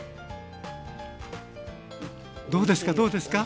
どうですか？